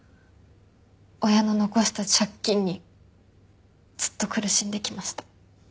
親の残した借金にずっと苦しんできました。